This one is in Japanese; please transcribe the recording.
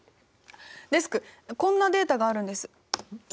デスクこんなデータがあるんです。